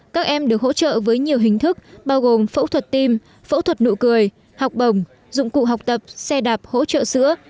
các em được hỗ trợ với nhiều hình thức bao gồm phẫu thuật tim phẫu thuật nụ cười học bổng dụng cụ học tập xe đạp hỗ trợ sữa